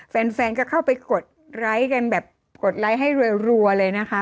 แฟนก็เข้าไปกดไลค์กันแบบให้รวยรัวเลยนะคะ